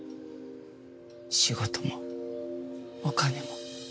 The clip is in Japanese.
仕事もお金も。